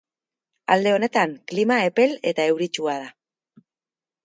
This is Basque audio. Alde honetan, klima epel eta euritsua da.